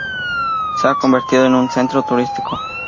Se ha convertido en un centro turístico.